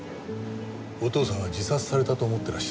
お父さんは自殺されたと思ってらっしゃるんですか？